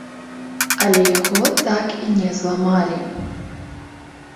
Але яго так і не зламалі.